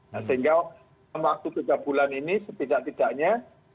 sehingga waktu tiga bulan ini setidak tidaknya